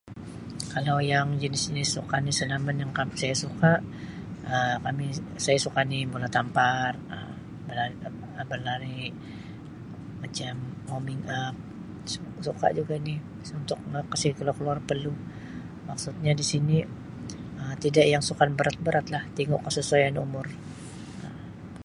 Kalau yang jenis-jenis sukan senaman yang kam saya suka Um kami saya suka ni bola tampar Um belari berlari macam warming up su-suka juga ni untuk kasi keluar-keluar peluh maksudnya di sini Um tidak yang sukan berat-beratlah tingu kesesuaian umur Um.